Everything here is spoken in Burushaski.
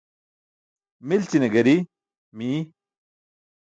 Milćine gari miy.